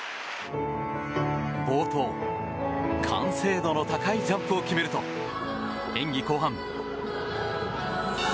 冒頭、完成度の高いジャンプを決めると演技後半。